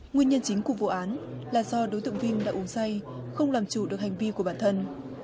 nguyên nhân chính của vụ án là do đối tượng vinh đã uống say không làm chủ được hành vi của bản thân